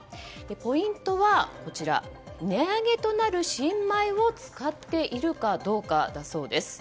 ポイントは値上げとなる新米を使っているかどうかです。